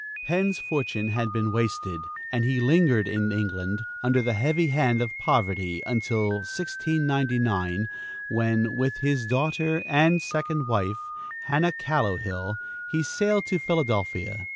Penn's fortune had been wasted, and he lingered in England, under the heavy hand of poverty, until 1699, when, with his daughter and second wife, Hannah Callowhill, he sailed to Philadelphia.